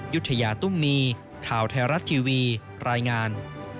ยุธยาตุ้มมีข่าวไทยรัฐทีวีรายงาน